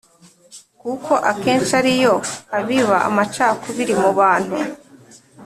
kuko akenshi ari yo abiba amacakubiri mu bantu.